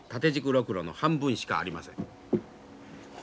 ロクロの半分しかありません。